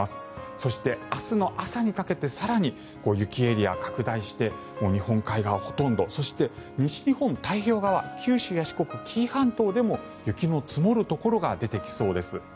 そして、明日の朝にかけて更に雪エリアが拡大して日本海側ほとんどそして、西日本太平洋側九州や四国、紀伊半島でも雪の積もるところが出てきそうです。